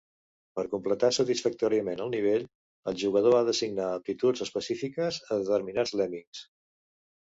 Per completar satisfactòriament el nivell, el jugador ha d'assignar aptituds específiques a determinats lemmings.